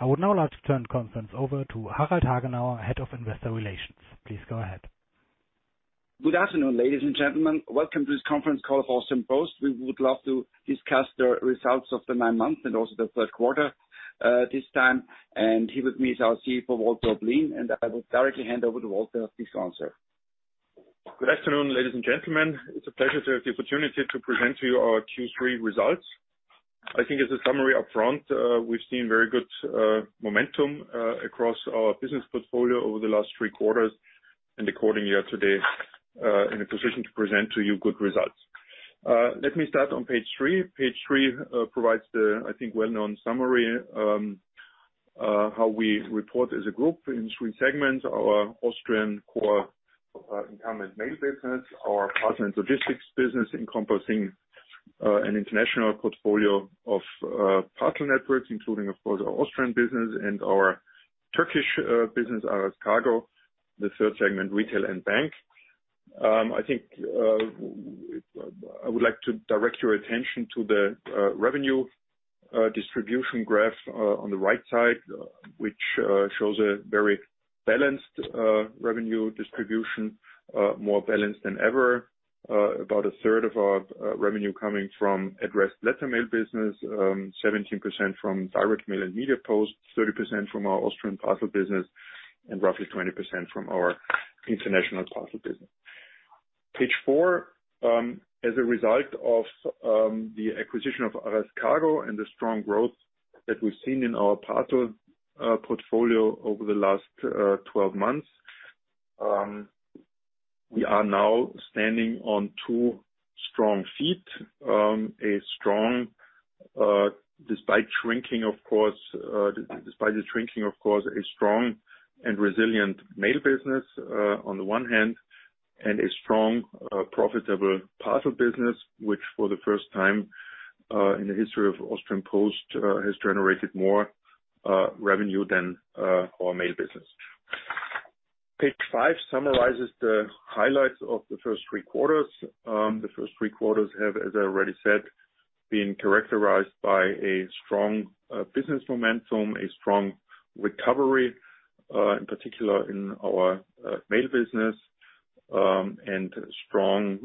I would now like to turn the conference over to Harald Hagenauer, Head of Investor Relations. Please go ahead. Good afternoon, ladies and gentlemen. Welcome to this conference call for Austrian Post. We would love to discuss the results of the nine months and also the third quarter, this time. Here with me is our CEO, Walter Oblin, and I will directly hand over to Walter to kick off, sir. Good afternoon, ladies and gentlemen. It's a pleasure to have the opportunity to present to you our Q3 results. I think as a summary up front, we've seen very good momentum across our business portfolio over the last three quarters, and accordingly year-to-date, in a position to present to you good results. Let me start on page three. Page three provides the well-known summary of how we report as a group in three segments. Our Austrian core incumbent mail business, our parcel and logistics business, encompassing an international portfolio of parcel networks, including, of course, our Austrian business and our Turkish business, Aras Kargo, the 3rd segment, retail and bank. I think I would like to direct your attention to the revenue distribution graph on the right side, which shows a very balanced revenue distribution more balanced than ever. About a third of our revenue coming from addressed letter mail business, 17% from direct mail and Mediapost, 30% from our Austrian parcel business, and roughly 20% from our international parcel business. Page four, as a result of the acquisition of Aras Kargo and the strong growth that we've seen in our parcel portfolio over the last 12 months, we are now standing on two strong feet. Despite the shrinking, of course, a strong and resilient mail business, on the one hand, and a strong profitable parcel business, which for the first time in the history of Austrian Post has generated more revenue than our mail business. Page five summarizes the highlights of the first three quarters. The first three quarters have, as I already said, been characterized by a strong business momentum, a strong recovery, in particular in our mail business, and strong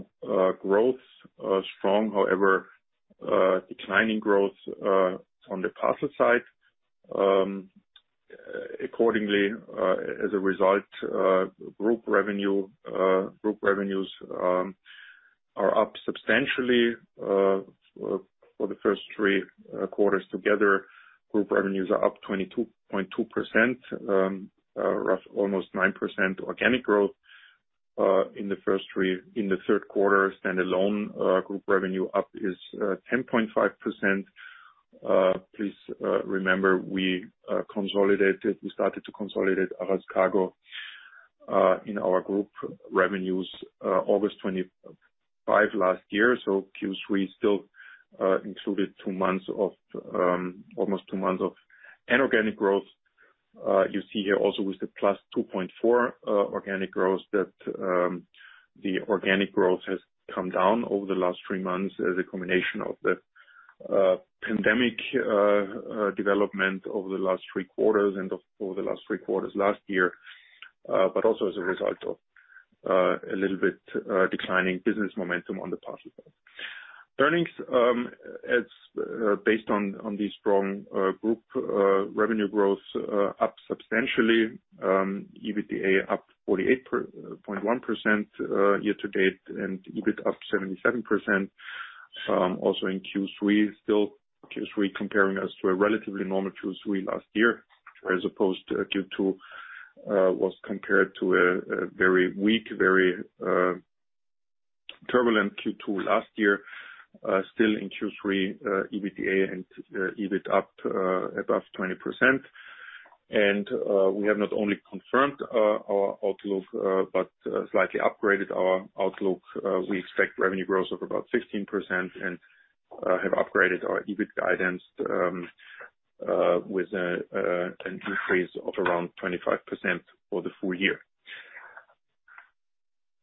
growth, however declining growth, on the parcel side. Accordingly, as a result, group revenues are up substantially for the first three quarters together. Group revenues are up 22.2%, almost 9% organic growth in the first three quarters. In the third quarter, standalone, group revenue is up 10.5%. Please remember we consolidated, we started to consolidate Aras Kargo in our group revenues August 25 last year, so Q3 still included two months of almost two months of inorganic growth. You see here also with the +2.4 organic growth that the organic growth has come down over the last three months as a combination of the pandemic development over the last three quarters and over all the last three quarters last year, but also as a result of a little bit declining business momentum on the parcel side. Earnings as based on the strong group revenue growth up substantially, EBITDA up 48.1% year to date and EBIT up 77%. Also in Q3 comparing us to a relatively normal Q3 last year, as opposed to Q2, was compared to a very weak, very turbulent Q2 last year. Still in Q3, EBITDA and EBIT up above 20%. We have not only confirmed our outlook, but slightly upgraded our outlook. We expect revenue growth of about 16% and have upgraded our EBIT guidance with an increase of around 25% for the full year.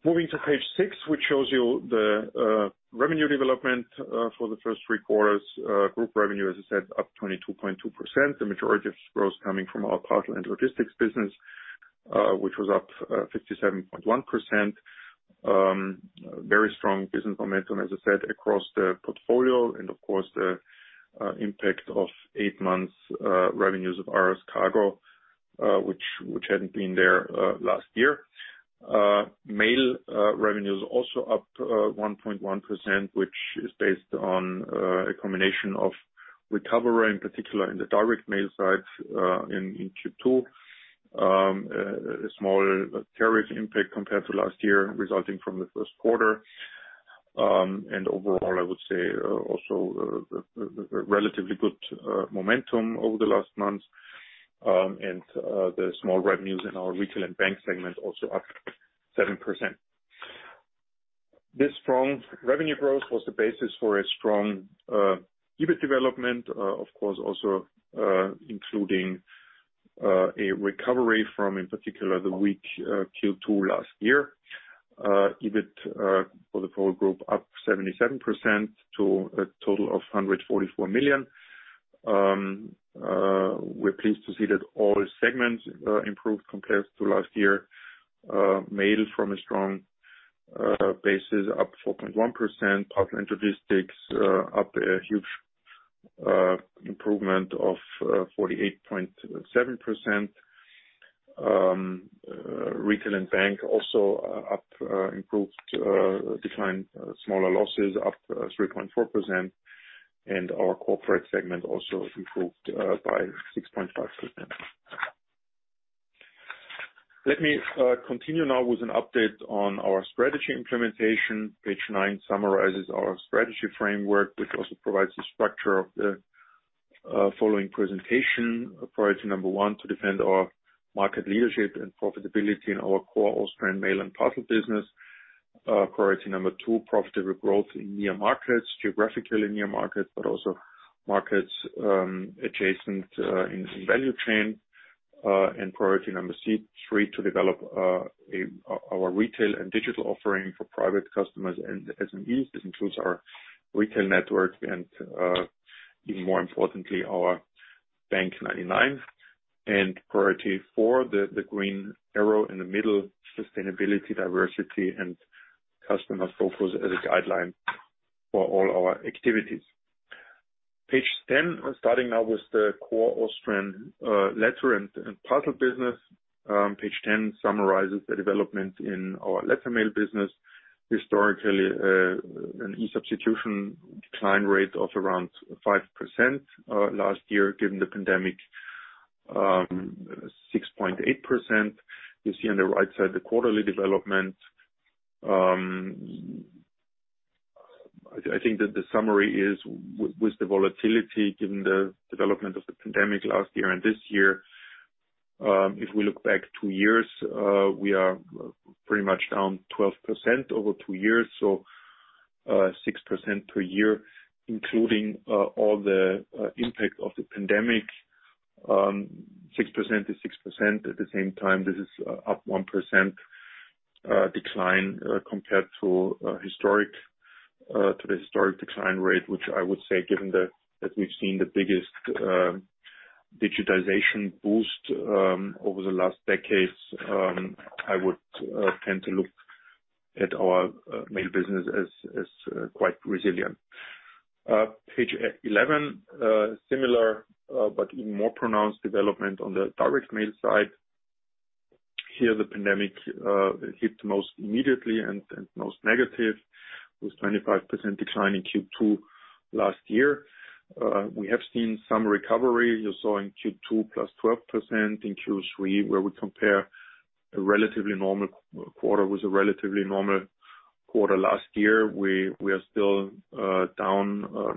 Moving to page six, which shows you the revenue development for the first three quarters. Group revenue, as I said, up 22.2%. The majority of growth coming from our parcel and logistics business, which was up 57.1%. Very strong business momentum, as I said, across the portfolio and of course, the impact of eight months revenues of Aras Kargo, which hadn't been there last year. Mail revenues also up 1.1%, which is based on a combination of recovery, in particular in the direct mail side, in Q2. A smaller tariff impact compared to last year resulting from the first quarter. The small revenues in our retail and bank segment also up 7%. This strong revenue growth was the basis for a strong, EBIT development, of course, also, including a recovery from, in particular, the weak, Q2 last year. EBIT for the whole group up 77% to a total of 144 million. We're pleased to see that all segments improved compared to last year. Mail from a strong basis up 4.1%. Parcel & Logistics up a huge improvement of 48.7%. Retail and Bank also up, improved, declined smaller losses, up 3.4%. Our Corporate segment also improved by 6.5%. Let me continue now with an update on our strategy implementation. Page nine, summarizes our strategy framework, which also provides the structure of the following presentation. Priority number one, to defend our market leadership and profitability in our core Austrian mail and parcel business. Priority number two, profitable growth in near markets, geographically near markets, but also markets adjacent in value chain. Priority number three, to develop our retail and digital offering for private customers and SMEs. This includes our retail network and even more importantly, our bank99. Priority four, the green arrow in the middle, sustainability, diversity and customer focus as a guideline for all our activities. Page 10, starting now with the core Austrian letter and parcel business. Page 10 summarizes the development in our letter mail business. Historically, an e-substitution decline rate of around 5%, last year, given the pandemic, 6.8%. You see on the right side the quarterly development. I think that the summary is with the volatility given the development of the pandemic last year and this year, if we look back two years, we are pretty much down 12% over two years, so, 6% per year, including all the impact of the pandemic. 6% is 6%. At the same time, this is up 1% decline compared to the historical decline rate, which I would say, given that we've seen the biggest digitization boost over the last decades, I would tend to look at our mail business as quite resilient. Page 11, similar, but even more pronounced development on the Direct Mail side. Here, the pandemic hit most immediately and most negative, with 25% decline in Q2 last year. We have seen some recovery. You saw in Q2 +12%. In Q3, where we compare a relatively normal quarter with a relatively normal quarter last year, we are still down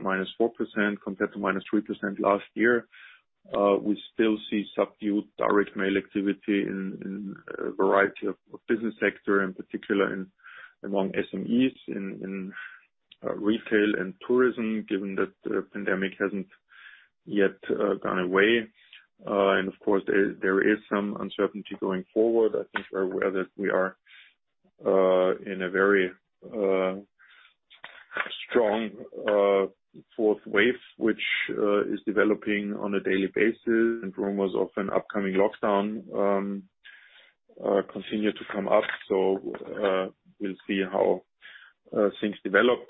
-4% compared to -3% last year. We still see subdued Direct Mail activity in a variety of business sector, in particular in, among SMEs, in retail and tourism, given that the pandemic hasn't yet gone away. And of course, there is some uncertainty going forward. I think we're aware that we are in a very strong fourth wave, which is developing on a daily basis, and rumors of an upcoming lockdown continue to come up. We'll see how things develop.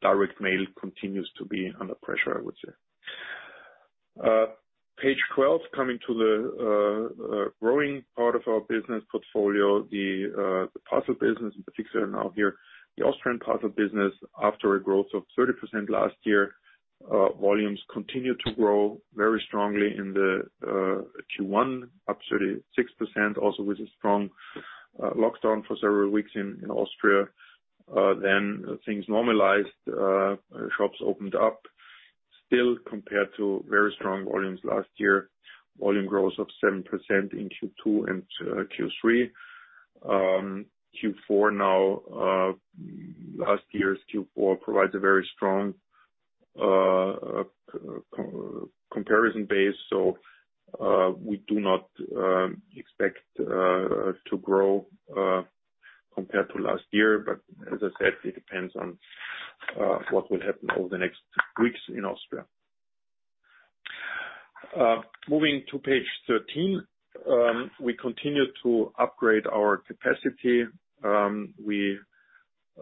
Direct Mail continues to be under pressure, I would say. Page 12, coming to the growing part of our business portfolio, the parcel business in particular now here. The Austrian parcel business, after a growth of 30% last year, volumes continued to grow very strongly in the Q1, up 36%, also with a strong lockdown for several weeks in Austria. Things normalized, shops opened up. Still, compared to very strong volumes last year, volume growth of 7% in Q2 and Q3. Q4 now, last year's Q4 provides a very strong comparison base. We do not expect to grow compared to last year. As I said, it depends on what will happen over the next weeks in Austria. Moving to page 13, we continue to upgrade our capacity. We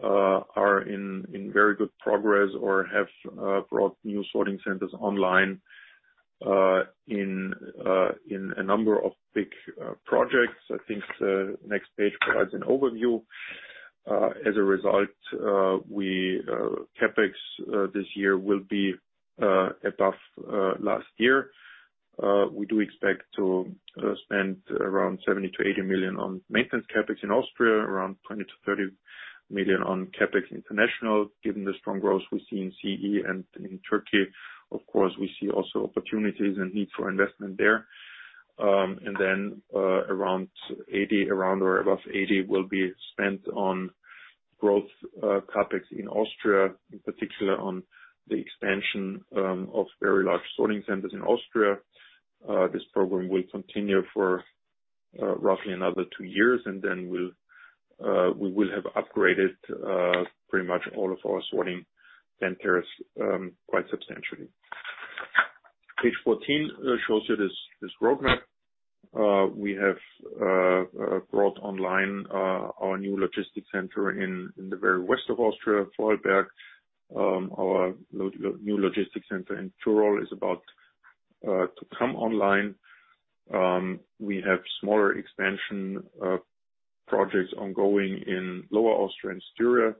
are in very good progress or have brought new sorting centers online in a number of big projects. I think the next page provides an overview. As a result, our CapEx this year will be above last year. We do expect to spend around 70-80 million on maintenance CapEx in Austria, around 20-30 million on CapEx international. Given the strong growth we see in CE and in Turkey, of course, we see also opportunities and need for investment there. Around or above 80 will be spent on growth CapEx in Austria, in particular on the expansion of very large sorting centers in Austria. This program will continue for roughly another two years, and then we will have upgraded pretty much all of our sorting centers quite substantially. Page 14 shows you this growth map. We have brought online our new logistics center in the very west of Austria, Vorarlberg. Our new logistics center in Tyrol is about to come online. We have smaller expansion projects ongoing in Lower Austria and Styria,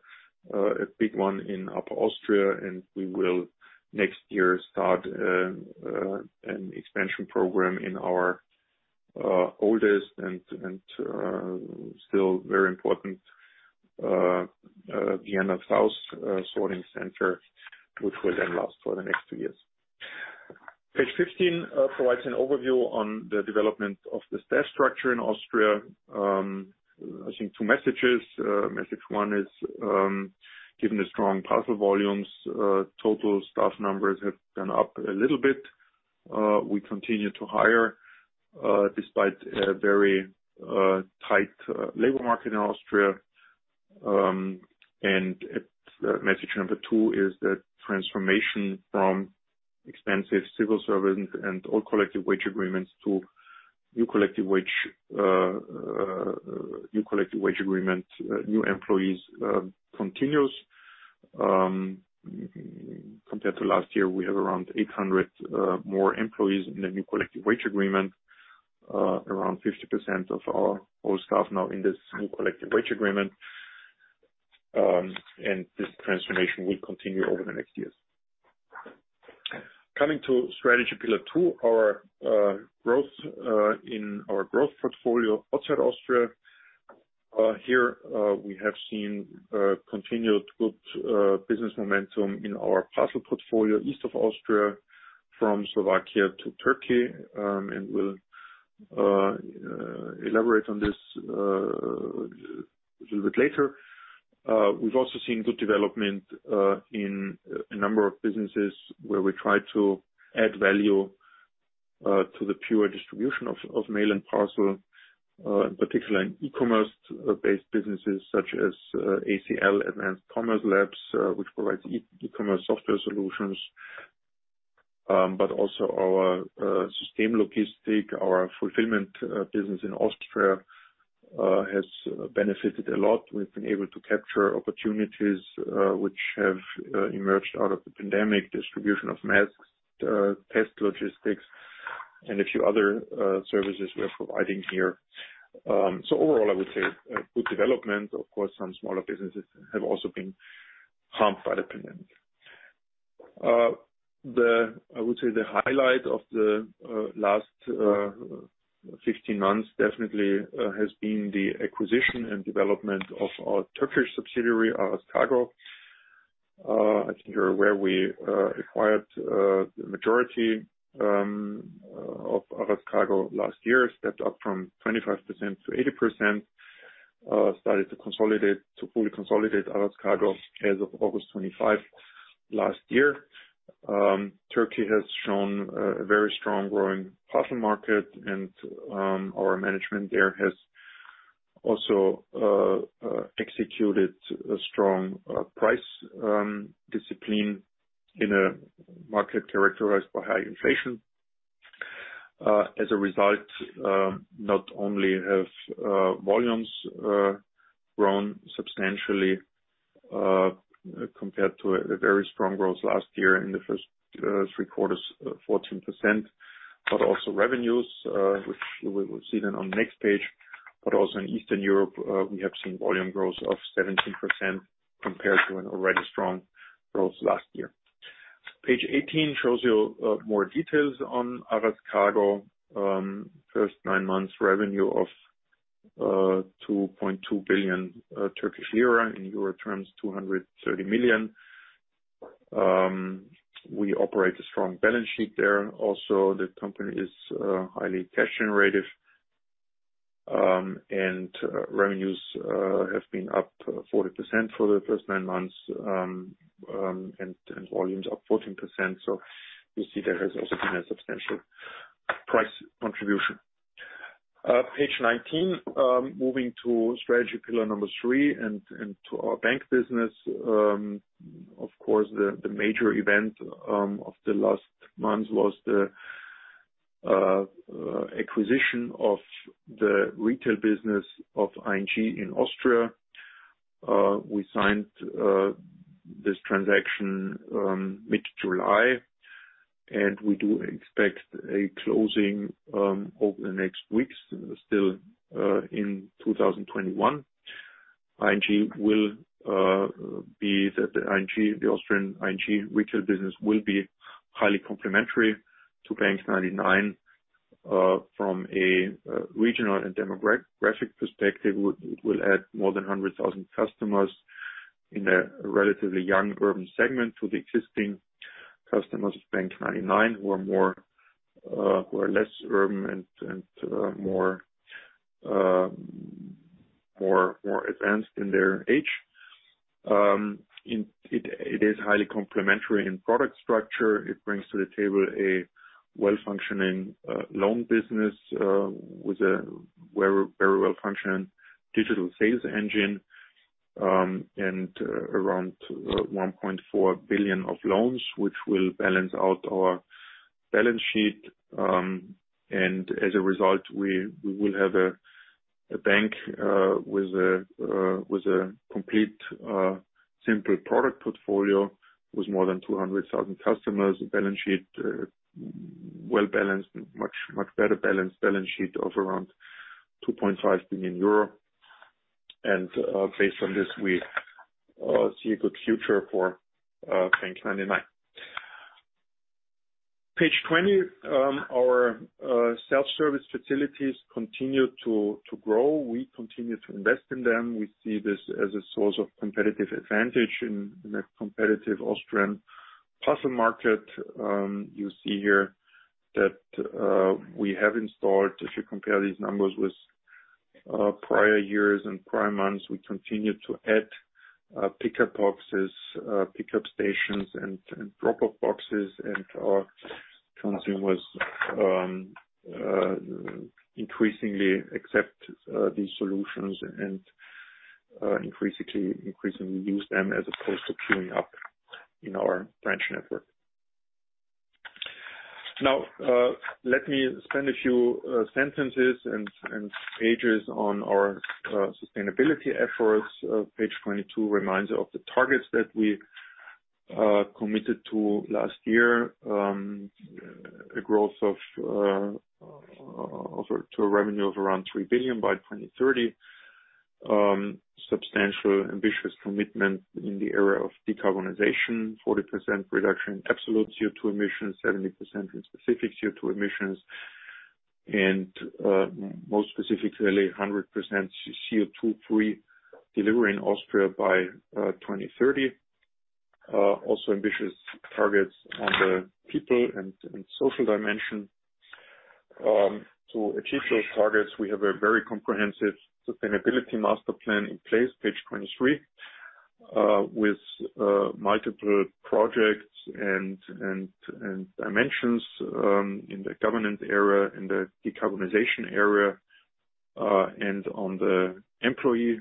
a big one in Upper Austria, and we will, next year, start an expansion program in our oldest and still very important Vienna South sorting center, which will then last for the next two years. Page 15 provides an overview on the development of the staff structure in Austria. I think two messages. Message one is, given the strong parcel volumes, total staff numbers have gone up a little bit. We continue to hire despite a very tight labor market in Austria. Message number two is that transformation from expensive civil servants and all collective wage agreements to new collective wage agreement new employees continues. Compared to last year, we have around 800 more employees in the new collective wage agreement. Around 50% of our whole staff now in this new collective wage agreement. This transformation will continue over the next years. Coming to strategy pillar two, our growth in our growth portfolio outside Austria. Here, we have seen continued good business momentum in our parcel portfolio east of Austria from Slovakia to Turkey, and we'll elaborate on this little bit later. We've also seen good development in a number of businesses where we try to add value to the pure distribution of mail and parcel, particularly in e-commerce based businesses such as ACL, Advanced Commerce Labs, which provides e-commerce software solutions. Our Systemlogistik, our fulfillment business in Austria, has benefited a lot. We've been able to capture opportunities which have emerged out of the pandemic, distribution of masks, test logistics, and a few other services we're providing here. Overall, I would say good development. Of course, some smaller businesses have also been harmed by the pandemic. I would say the highlight of the last 15 months definitely has been the acquisition and development of our Turkish subsidiary, Aras Kargo. I think you're aware we acquired the majority of Aras Kargo last year, stepped up from 25% to 80%. Started to consolidate, to fully consolidate Aras Kargo as of August 25 last year. Turkey has shown a very strong growing parcel market, and our management there has also executed a strong price discipline in a market characterized by high inflation. As a result, not only have volumes grown substantially compared to a very strong growth last year in the first three quarters, 14%, but also revenues, which we will see them on the next page. Also in Eastern Europe, we have seen volume growth of 17% compared to an already strong growth last year. Page 18 shows you more details on Aras Kargo. First nine months revenue of 2.2 billion Turkish lira. In EUR terms, 230 million euro. We operate a strong balance sheet there. Also, the company is highly cash generative, and revenues have been up 40% for the first nine months, and volumes up 14%. You see there has also been a substantial price contribution. Page 19, moving to strategy pillar number three and to our bank business. Of course, the major event of the last month was the acquisition of the retail business of ING in Austria. We signed this transaction mid-July, and we do expect a closing over the next weeks still in 2021. The Austrian ING retail business will be highly complementary to bank99 from a regional and demographic perspective. It will add more than 100,000 customers. In a relatively young urban segment to the existing customers of bank99 who are less urban and more advanced in their age. It is highly complementary in product structure. It brings to the table a well-functioning loan business with a very well-functioning digital sales engine and around 1.4 billion of loans, which will balance out our balance sheet. As a result, we will have a bank with a complete simple product portfolio with more than 200,000 customers. A well-balanced, much better balanced balance sheet of around 2.5 billion euro. Based on this, we see a good future for bank99. Page 20, our self-service facilities continue to grow. We continue to invest in them. We see this as a source of competitive advantage in a competitive Austrian parcel market. You see here that we have installed, if you compare these numbers with prior years and prior months, we continue to add pickup boxes, pickup stations and drop-off boxes. Our consumers increasingly accept these solutions and increasingly use them as opposed to queuing up in our branch network. Now, let me spend a few sentences and pages on our sustainability efforts. Page 22 reminds you of the targets that we committed to last year. A growth of a total revenue of around 3 billion by 2030. Substantial ambitious commitment in the area of decarbonization. 40% reduction in absolute CO2 emissions, 70% in specific CO2 emissions, and most specifically, 100% CO2-free delivery in Austria by 2030. Also ambitious targets on the people and social dimension. To achieve those targets, we have a very comprehensive sustainability master plan in place, page 23. With multiple projects and dimensions in the governance area, in the decarbonization area, and on the employee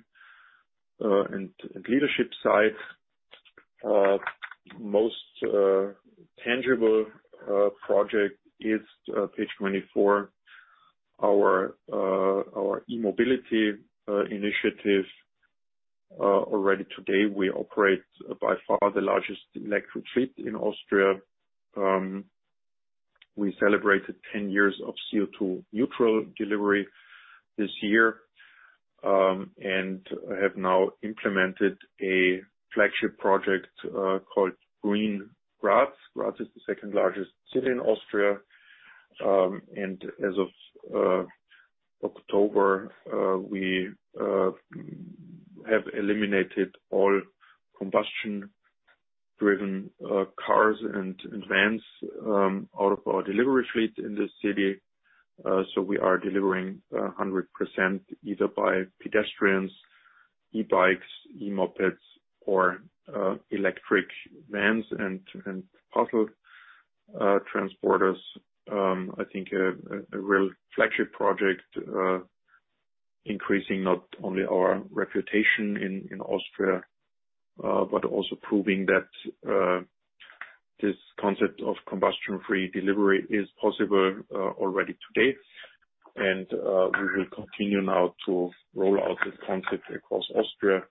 and leadership side. Most tangible project is page 24, our e-mobility initiative. Already today we operate by far the largest electric fleet in Austria. We celebrated 10 years of CO2 neutral delivery this year and have now implemented a flagship project called Green Graz. Graz is the second-largest city in Austria. As of October, we have eliminated all combustion-driven cars and vans out of our delivery fleet in the city. We are delivering 100% either by pedestrians, e-bikes, e-mopeds or electric vans and parcel transporters. I think a real flagship project, increasing not only our reputation in Austria but also proving that this concept of combustion-free delivery is possible already today. We will continue now to roll out this concept across Austria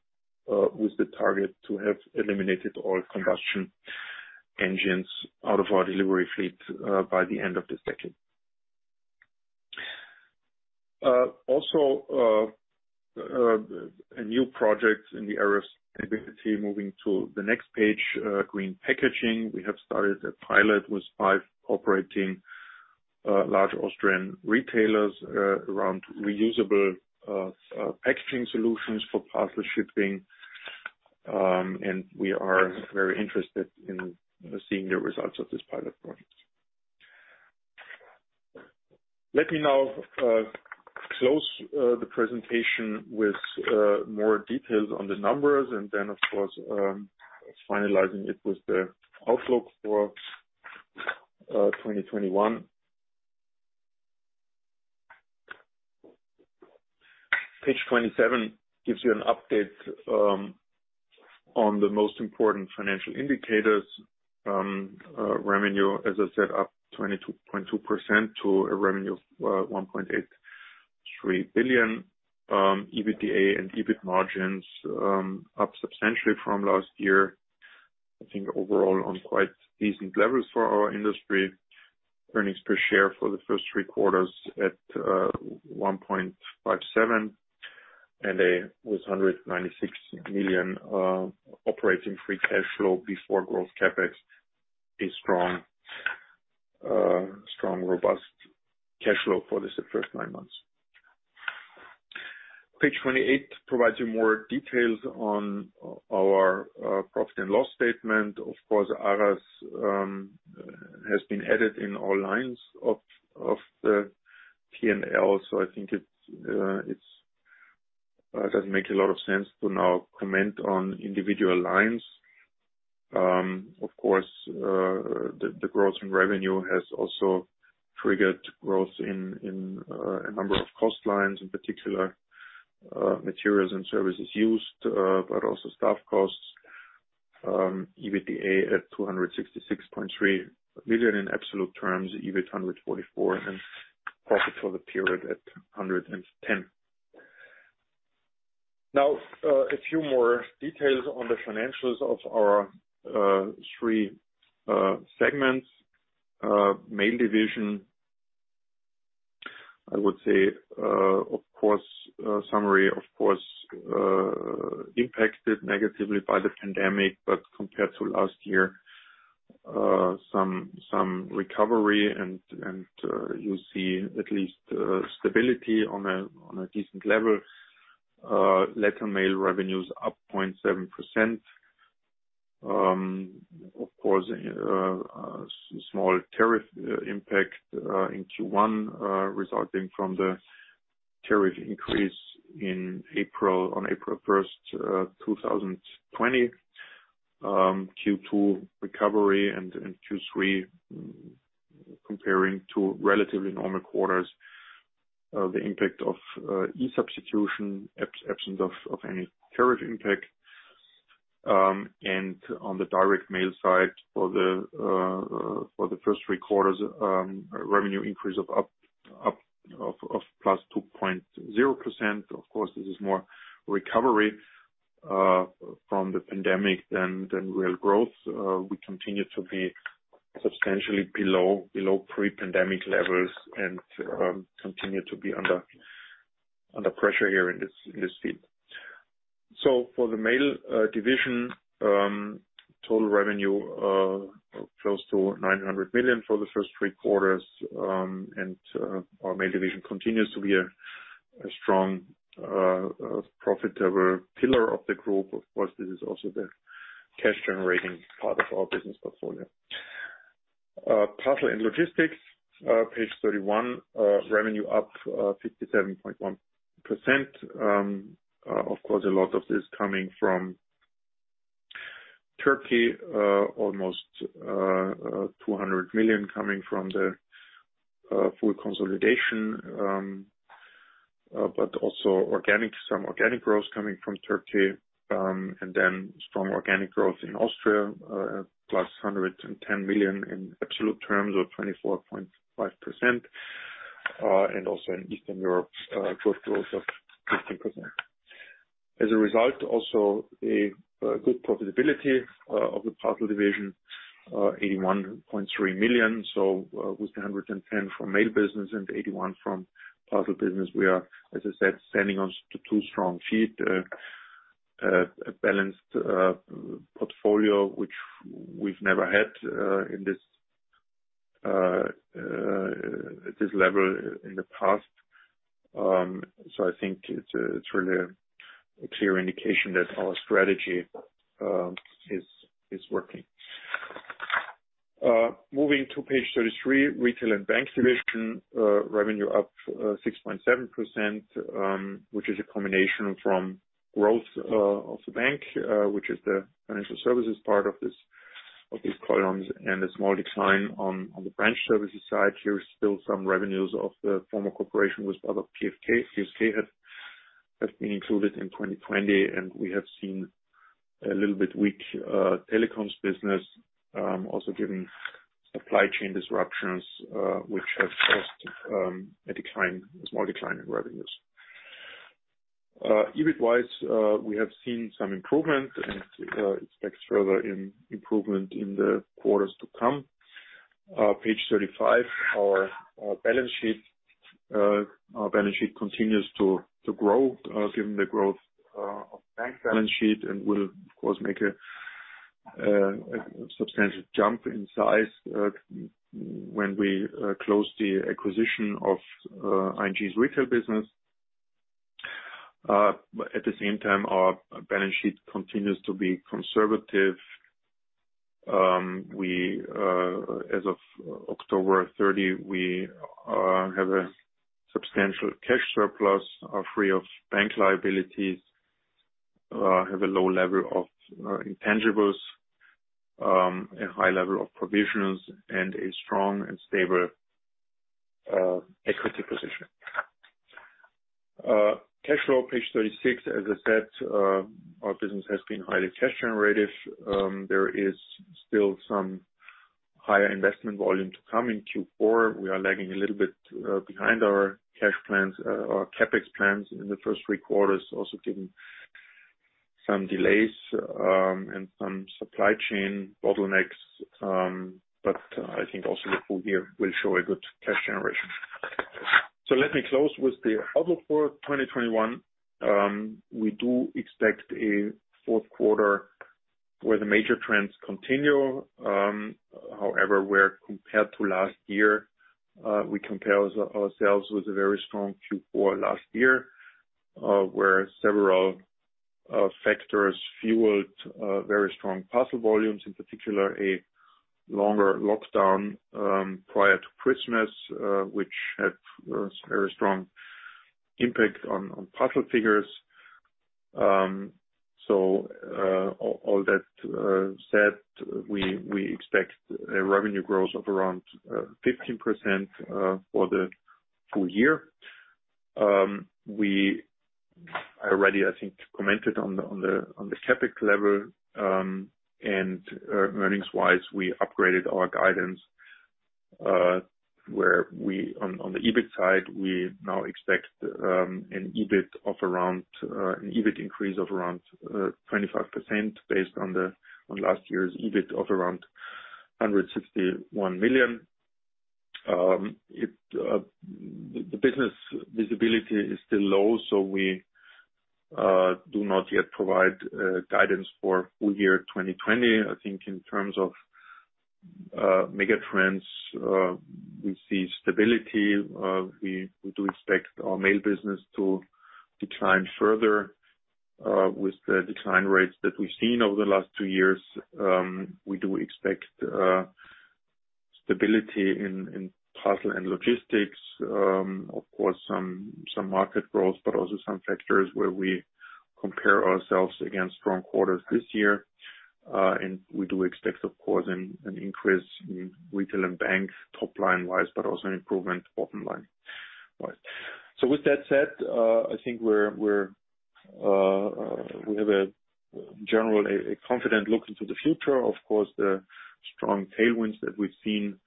with the target to have eliminated all combustion engines out of our delivery fleet by the end of this decade. Also a new project in the area of sustainability. Moving to the next page, green packaging. We have started a pilot with five operating large Austrian retailers around reusable packaging solutions for parcel shipping. We are very interested in seeing the results of this pilot project. Let me now close the presentation with more details on the numbers and then of course finalizing it with the outlook for 2021. Page 27 gives you an update on the most important financial indicators. Revenue, as I said, up 22.2% to a revenue of 1.83 billion. EBITDA and EBIT margins up substantially from last year. I think overall on quite decent levels for our industry. Earnings per share for the first three quarters at 1.57. With 196 million operating free cash flow before growth CapEx is strong. Strong, robust cash flow for this, the first nine months. Page 28 provides you more details on our profit and loss statement. Of course, Aras has been added in all lines of the P&L, so I think it doesn't make a lot of sense to now comment on individual lines. Of course, the growth in revenue has also triggered growth in a number of cost lines, in particular, materials and services used, but also staff costs, EBITDA at 266.3 million in absolute terms, EBIT 144 million, and profit for the period at 110 million. Now, a few more details on the financials of our three segments. Mail division, I would say, of course, summary of course, impacted negatively by the pandemic, but compared to last year, some recovery and you see at least stability on a decent level. Letter mail revenue's up 0.7%. Of course, small tariff impact in Q1 resulting from the tariff increase in April, on April 1, 2020. Q2 recovery and Q3, comparing to relatively normal quarters, the impact of e-substitution, absence of any tariff impact. On the direct mail side for the first three quarters, a revenue increase of plus 2.0%. Of course, this is more recovery from the pandemic than real growth. We continue to be substantially below pre-pandemic levels and continue to be under pressure here in this field. For the Mail division, total revenue close to 900 million for the first three quarters. Our Mail division continues to be a strong profitable pillar of the group. Of course, this is also the cash generating part of our business portfolio. Parcel and Logistics, page 31, revenue up 57.1%. Of course, a lot of this coming from Turkey, almost 200 million coming from the full consolidation, but also organic, some organic growth coming from Turkey, and then strong organic growth in Austria, +110 million in absolute terms of 24.5%, and also in Eastern Europe, good growth of 15%. As a result, also a good profitability of the Parcel division, 81.3 million. With the 110 from Mail business and 81 from Parcel business, we are, as I said, standing on two strong feet. A balanced portfolio which we've never had at this level in the past. I think it's really a clear indication that our strategy is working. Moving to page 33, Retail and Bank division, revenue up 6.7%, which is a combination from growth of the bank, which is the financial services part of this, of these columns, and a small decline on the branch services side. There is still some revenues of the former cooperation with other BAWAG P.S.K. BAWAG P.S.K has been included in 2020, and we have seen a little bit weak telecoms business, also giving supply chain disruptions, which have caused a small decline in revenues. EBIT-wise, we have seen some improvement and expect further improvement in the quarters to come. Page 35, our balance sheet. Our balance sheet continues to grow, given the growth of the bank's balance sheet and will of course make a substantial jump in size, when we close the acquisition of ING's retail business. At the same time, our balance sheet continues to be conservative. As of October 30, we have a substantial cash surplus, are free of bank liabilities, have a low level of intangibles, a high level of provisions and a strong and stable equity position. Cash flow, page 36, as I said, our business has been highly cash generative. There is still some higher investment volume to come in Q4. We are lagging a little bit behind our cash plans, our CapEx plans in the first three quarters, also given some delays, and some supply chain bottlenecks. I think also the full year will show a good cash generation. Let me close with the outlook for 2021. We do expect a fourth quarter where the major trends continue. However, where compared to last year, we compare ourselves with a very strong Q4 last year, where several factors fueled very strong parcel volumes, in particular a longer lockdown prior to Christmas, which had a very strong impact on parcel figures. All that said, we expect a revenue growth of around 15% for the full year. We already, I think, commented on the CapEx level, and earnings-wise, we upgraded our guidance, where we, on the EBIT side, now expect an EBIT increase of around 25% based on last year's EBIT of around 161 million. The business visibility is still low, so we do not yet provide guidance for full year 2020. I think in terms of mega trends, we see stability. We do expect our mail business to decline further with the decline rates that we've seen over the last two years. We do expect stability in parcel and logistics, of course, some market growth, but also some factors where we compare ourselves against strong quarters this year. We do expect, of course, an increase in retail and bank top line wise, but also an improvement bottom line wise. With that said, I think we have a general, a confident look into the future. Of course, the strong tailwinds that we've seen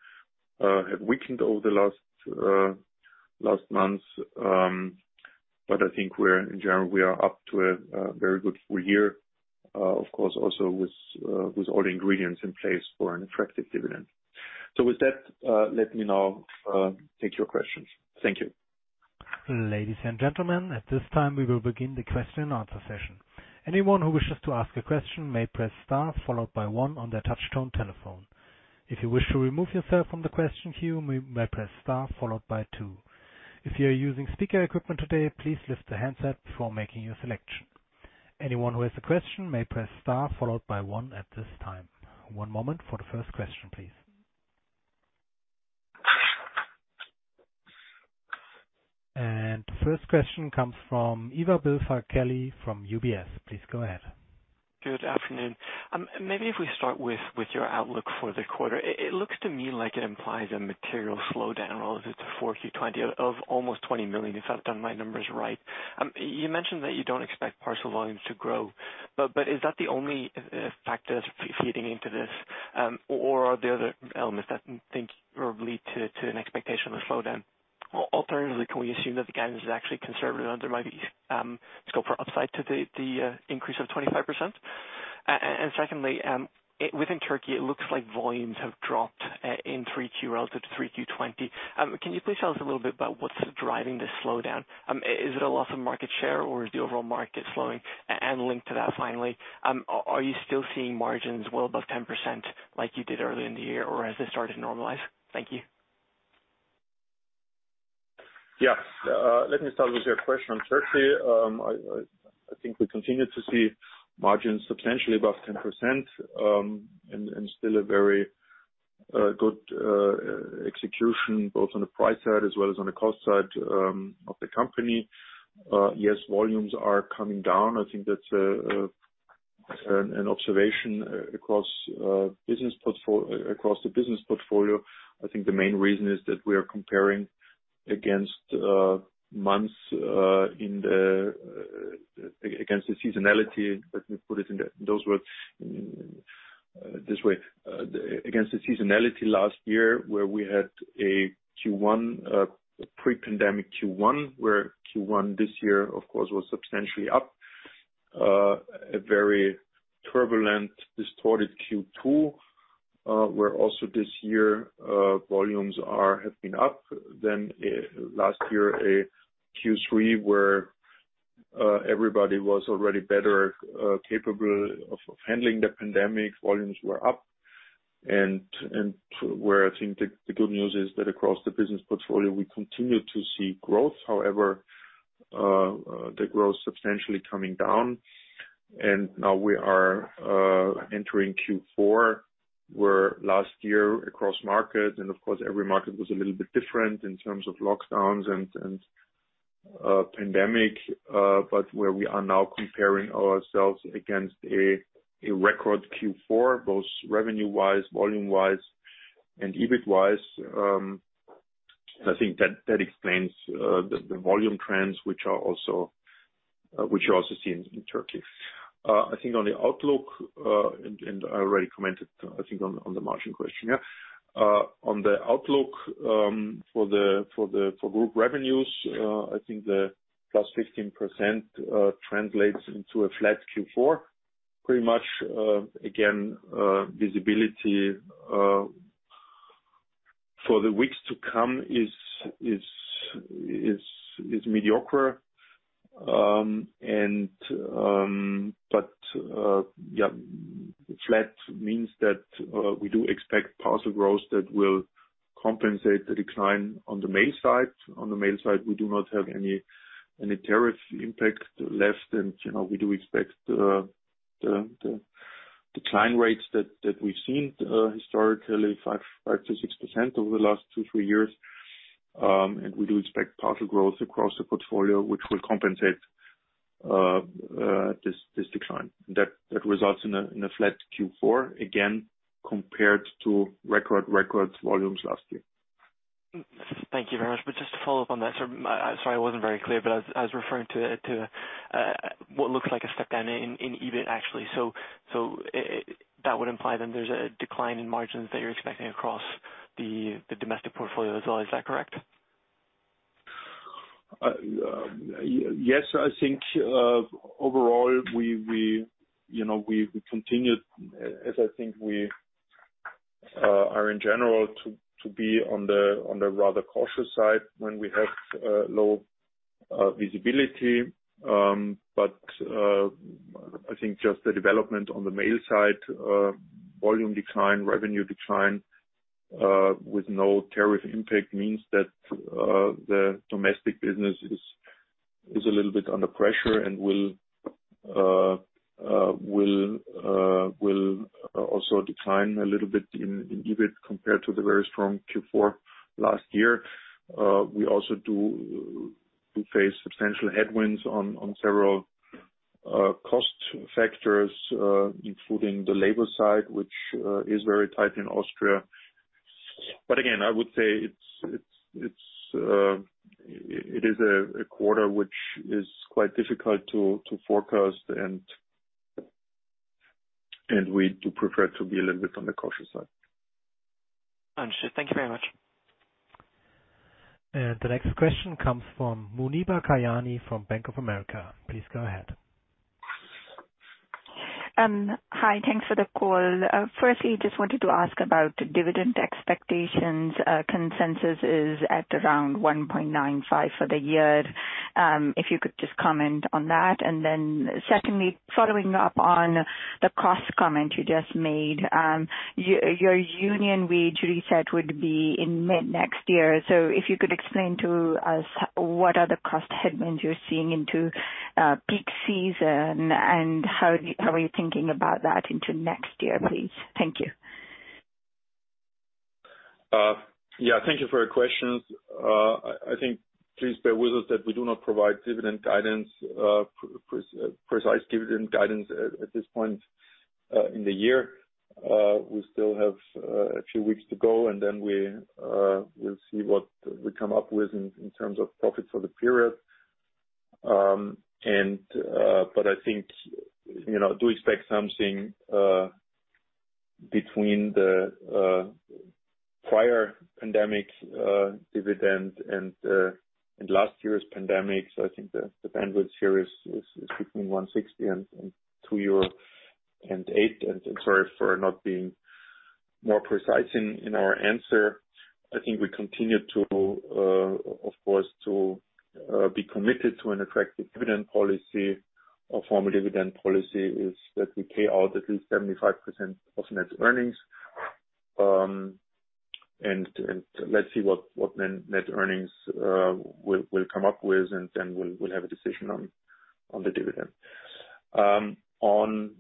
have weakened over the last months, but I think we are in general up to a very good full year, of course, also with all the ingredients in place for an attractive dividend. With that, let me now take your questions. Thank you. Ladies and gentlemen, at this time we will begin the question answer session. Anyone who wishes to ask a question may press star followed by one on their touchtone telephone. If you wish to remove yourself from the question queue, may press star followed by two. If you are using speaker equipment today, please lift the handset before making your selection. Anyone who has a question may press star followed by one at this time. One moment for the first question, please. First question comes from Ivar Billfalk-Kelly from UBS. Please go ahead. Good afternoon. Maybe if we start with your outlook for the quarter, it looks to me like it implies a material slowdown relative to Q4 2020 of almost 20 million, if I've done my numbers right. You mentioned that you don't expect parcel volumes to grow, but is that the only factor feeding into this? Or are there other elements that I think or lead to an expectation of slowdown? Alternatively, can we assume that the guidance is actually conservative and there might be scope for upside to the increase of 25%? Secondly, within Turkey it looks like volumes have dropped in Q3 relative to Q3 2020. Can you please tell us a little bit about what's driving this slowdown? Is it a loss of market share or is the overall market slowing? Linked to that finally, are you still seeing margins well above 10% like you did earlier in the year, or has this started to normalize? Thank you. Yeah. Let me start with your question on Turkey. I think we continue to see margins substantially above 10%, and still a very good execution, both on the price side as well as on the cost side, of the company. Yes, volumes are coming down. I think that's an observation across the business portfolio. I think the main reason is that we are comparing against the seasonality. Let me put it in those words this way. Against the seasonality last year, where we had a pre-pandemic Q1, where Q1 this year of course was substantially up. A very turbulent, distorted Q2, where also this year volumes have been up. Last year, in Q3, where everybody was already better capable of handling the pandemic. Volumes were up and where I think the good news is that across the business portfolio we continue to see growth. However, the growth substantially coming down. Now we are entering Q4, where last year across markets, and of course every market was a little bit different in terms of lockdowns and pandemic, but where we are now comparing ourselves against a record Q4, both revenue wise, volume wise and EBIT wise. I think that explains the volume trends which are also seen in Turkey. I think on the outlook, and I already commented I think on the margin question, yeah. On the outlook for group revenues, I think the +15% translates into a flat Q4. Pretty much, again, visibility for the weeks to come is mediocre. Flat means that we do expect parcel growth that will compensate the decline on the mail side. On the mail side, we do not have any tariff impact left. You know, we do expect the decline rates that we've seen historically 5%-6% over the last two, three years. We do expect parcel growth across the portfolio, which will compensate this decline. That results in a flat Q4 again, compared to record volumes last year. Thank you very much. Just to follow up on that. I'm sorry I wasn't very clear, but I was referring to what looks like a step down in EBIT actually. That would imply then there's a decline in margins that you're expecting across the domestic portfolio as well. Is that correct? Yes. I think overall we continue to be on the rather cautious side when we have low visibility. I think just the development on the mail side, volume decline, revenue decline, with no tariff impact means that the domestic business is a little bit under pressure and will also decline a little bit in EBIT compared to the very strong Q4 last year. We also face substantial headwinds on several cost factors, including the labor side, which is very tight in Austria. Again, I would say it's a quarter which is quite difficult to forecast and we do prefer to be a little bit on the cautious side. Understood. Thank you very much. The next question comes from Muneeba Kayani, from Bank of America. Please go ahead. Hi, thanks for the call. Firstly, just wanted to ask about dividend expectations. Consensus is at around 1.95 for the year. If you could just comment on that. Secondly, following up on the cost comment you just made, your union wage reset would be in mid next year. If you could explain to us what are the cost headwinds you're seeing into peak season, and how are you thinking about that into next year, please? Thank you. Yeah, thank you for your questions. I think please bear with us that we do not provide dividend guidance, precise dividend guidance at this point in the year. We still have a few weeks to go, and then we'll see what we come up with in terms of profits for the period. But I think, you know, do expect something between the prior pandemic dividend and last year's pandemic. So I think the bandwidth here is between 1.60 and 2.08 euro. Sorry for not being more precise in our answer. I think we continue to, of course, be committed to an attractive dividend policy. Our formal dividend policy is that we pay out at least 75% of net earnings. Let's see what net earnings we'll come up with and then we'll have a decision on the dividend. On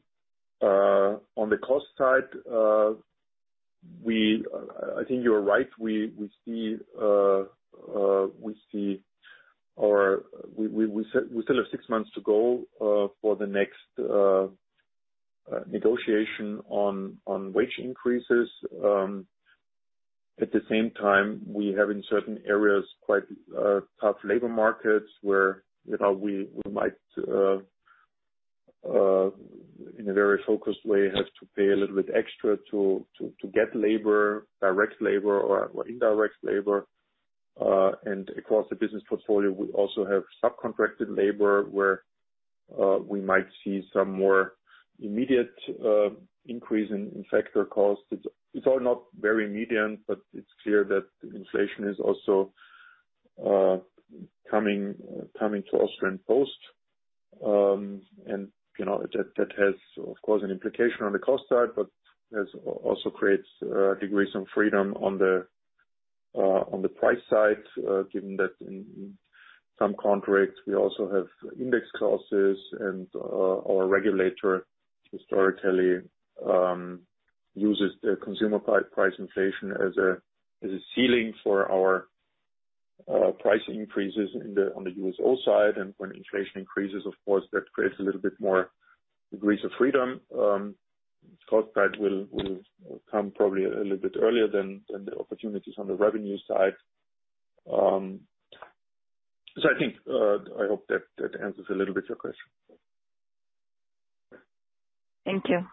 the cost side, I think you're right. We see or we still have six months to go for the next negotiation on wage increases. At the same time, we have in certain areas quite tough labor markets where, you know, we might in a very focused way have to pay a little bit extra to get labor, direct labor or indirect labor. Across the business portfolio, we also have subcontracted labor where we might see some more immediate increase in factor costs. It's all not very immediate, but it's clear that inflation is also coming to Austrian Post. You know, that has of course an implication on the cost side, but also creates degrees of freedom on the price side. Given that in some contracts we also have index clauses and our regulator historically uses the consumer price inflation as a ceiling for our price increases on the USO side. When inflation increases, of course, that creates a little bit more degrees of freedom. Cost side will come probably a little bit earlier than the opportunities on the revenue side. I think, I hope that answers a little bit your question. Thank you.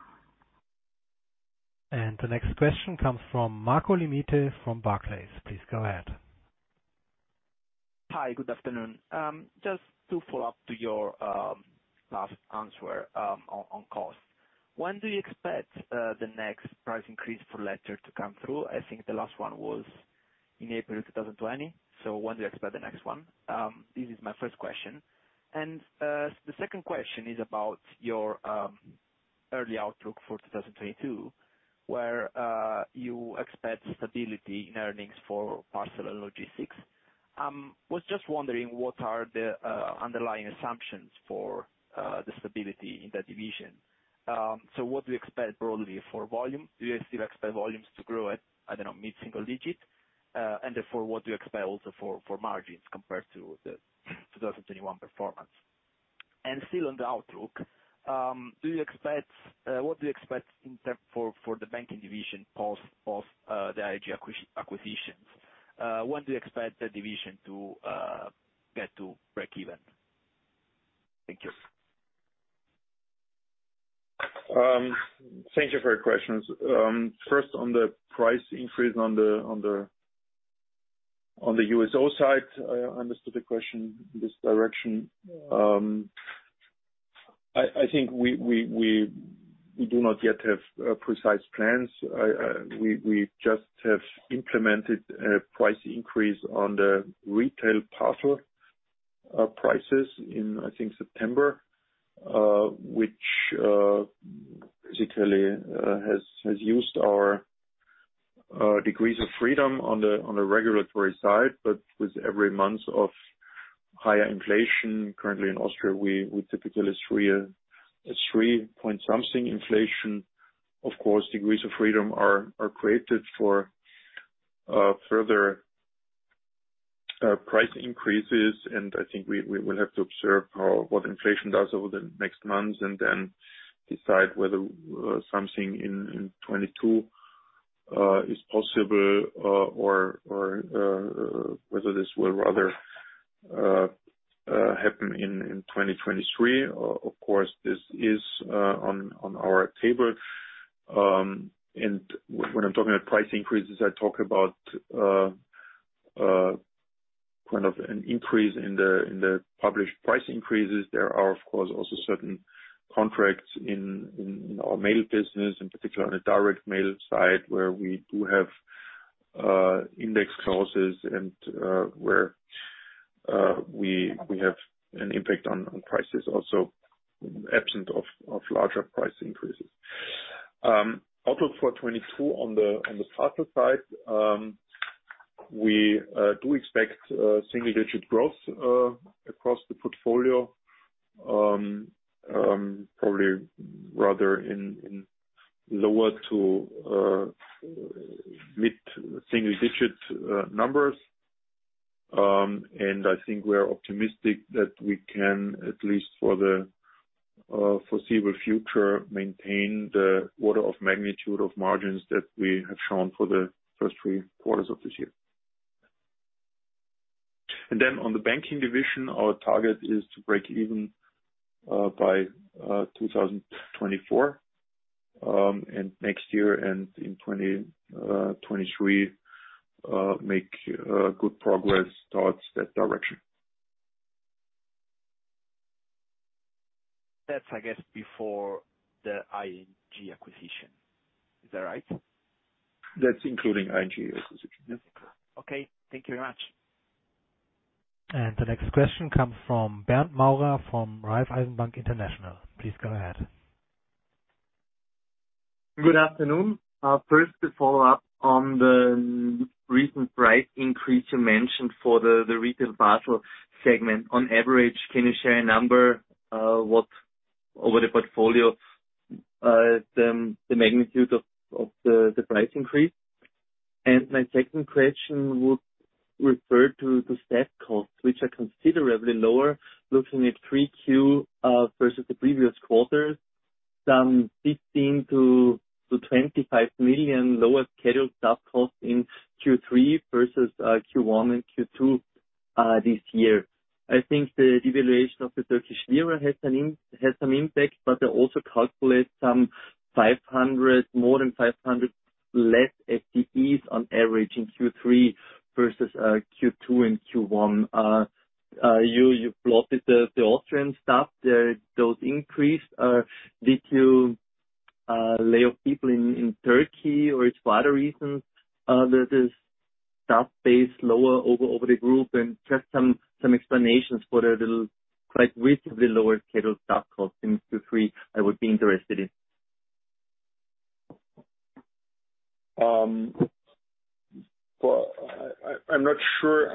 The next question comes from Marco Limite, from Barclays. Please go ahead. Hi, good afternoon. Just to follow up to your last answer on cost. When do you expect the next price increase for letter to come through? I think the last one was in April 2020. When do you expect the next one? This is my first question. The second question is about your early outlook for 2022, where you expect stability in earnings for parcel and logistics. I was just wondering what are the underlying assumptions for the stability in that division. What do you expect broadly for volume? Do you still expect volumes to grow at, I don't know, mid-single digit? And therefore what do you expect also for margins compared to the 2021 performance? Still on the outlook, what do you expect in terms of the banking division post the ING acquisitions? When do you expect the division to get to breakeven? Thank you. Thank you for your questions. First on the price increase on the USO side, I understood the question in this direction. I think we do not yet have precise plans. We just have implemented a price increase on the retail parcel prices in, I think, September. Which basically has used our degrees of freedom on the regulatory side, but with every month of higher inflation. Currently in Austria, we typically 3.something inflation. Of course, degrees of freedom are created for further price increases. I think we will have to observe how what inflation does over the next months and then decide whether something in 2022 is possible or whether this will rather happen in 2023. Of course, this is on our table. When I'm talking about price increases, I talk about kind of an increase in the published price increases. There are, of course, also certain contracts in our mail business, in particular on the direct mail side, where we do have index clauses and where we have an impact on prices also absent of larger price increases. Outlook for 2022 on the parcel side, we do expect single-digit growth across the portfolio, probably rather in lower- to mid-single-digit numbers. I think we are optimistic that we can at least for the foreseeable future maintain the order of magnitude of margins that we have shown for the first three quarters of this year. On the banking division, our target is to break even by 2024. Next year and in 2023, make good progress towards that direction. That's, I guess, before the ING acquisition. Is that right? That's including ING acquisition, yes. Okay. Thank you very much. The next question comes from Bernd Maurer from Raiffeisen Bank International. Please go ahead. Good afternoon. First a follow-up on the recent price increase you mentioned for the retail parcel segment. On average, can you share a number, what over the portfolio, the magnitude of the price increase? My second question would refer to the staff costs, which are considerably lower, looking at Q3 versus the previous quarters, some 15 million-25 million lower scheduled staff costs in Q3 versus Q1 and Q2 this year. I think the devaluation of the Turkish lira has some impact, but I also calculate some 500, more than 500 less FTEs on average in Q3 versus Q2 and Q1. You have plotted the Austrian staff there, those increase. Did you lay off people in Turkey or is it for other reasons that the staff base is lower over the group? Just some explanations for the relatively quite reasonably lower scheduled staff costs in Q3, I would be interested in. Well, I'm not sure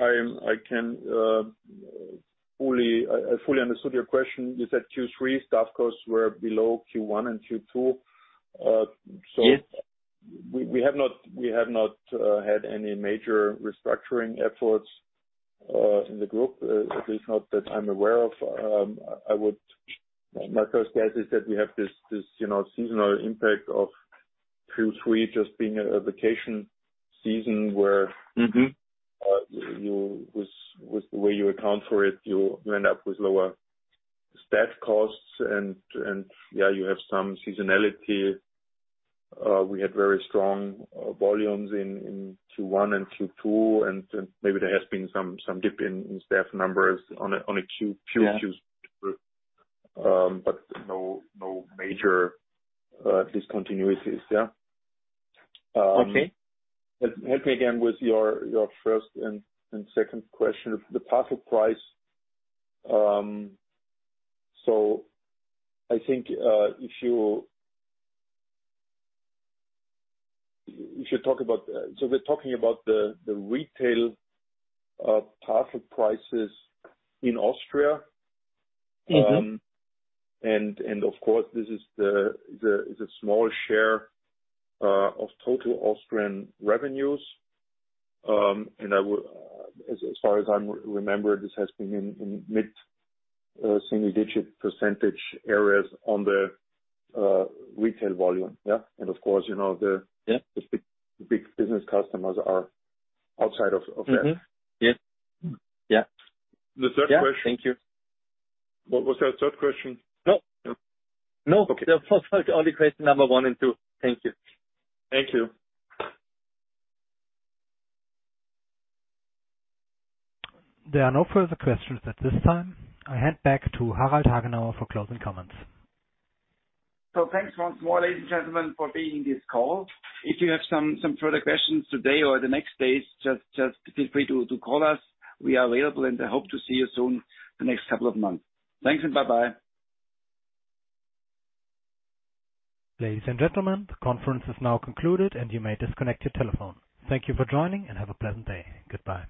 I fully understood your question. You said Q3 staff costs were below Q1 and Q2. Yes. We have not had any major restructuring efforts in the group, at least not that I'm aware of. My first guess is that we have this you know seasonal impact of Q3 just being a vacation season where. Mm-hmm. With the way you account for it, you end up with lower staff costs and yeah, you have some seasonality. We had very strong volumes in Q1 and Q2, and maybe there has been some dip in staff numbers on a Q. Yeah. Q-on-Q basis, but no major discontinuities. Yeah. Okay. Help me again with your first and second question. The parcel price, I think. We're talking about the retail parcel prices in Austria. Mm-hmm. Of course, this is a small share of total Austrian revenues. As far as I remember, this has been in mid single-digit percentage areas on the retail volume. Yeah. Of course, you know, the. Yeah. The big business customers are outside of that. Mm-hmm. Yeah. Yeah. The third question. Yeah. Thank you. What was your third question? No. No. Okay. No. There was only question number one and two. Thank you. Thank you. There are no further questions at this time. I hand back to Harald Hagenauer for closing comments. Thanks once more, ladies and gentlemen, for being in this call. If you have some further questions today or the next days, just feel free to call us. We are available, and I hope to see you soon the next couple of months. Thanks, and bye-bye. Ladies and gentlemen, the conference is now concluded, and you may disconnect your telephone. Thank you for joining, and have a pleasant day. Goodbye.